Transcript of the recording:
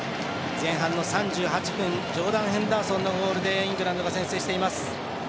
前半の３８分ジョーダン・ヘンダーソンのゴールでイングランドが先制しています。